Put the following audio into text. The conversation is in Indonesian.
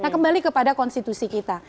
kembali kepada konstitusi kita